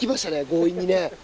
強引にね。